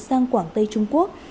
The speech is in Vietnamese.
sang quảng tây trung quốc